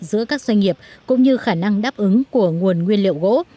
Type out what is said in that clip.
của nông nghiệp cũng như khả năng đáp ứng của nguồn nguyên liệu gỗ